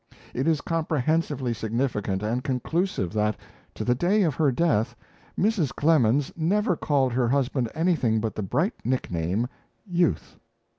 It is comprehensively significant and conclusive that, to the day of her death, Mrs. Clemens never called her husband anything but the bright nickname "Youth."